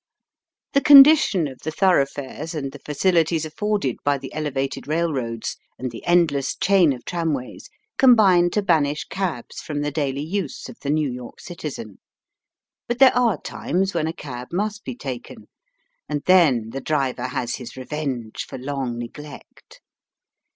The condition of the thoroughfares and the faciUties afforded by the elevated railroads and the endless chain of tramways combine to banish cabs from the daily use of the New York citizen. But there are times when a cab must be taken, and then the driver has his revenge for long neglect.